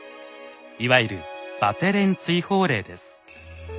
いわゆる「バテレン追放令」です。